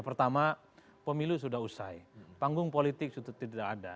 pertama pemilu sudah usai panggung politik sudah tidak ada